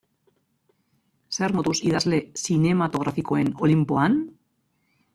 Zer moduz idazle zinematografikoen olinpoan?